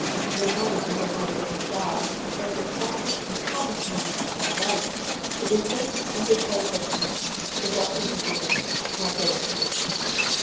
One morning as I waited upon God, one of the quietest and calmest moments of my life, it was just as if God said to me, "The blessing is yours. Now go and preach."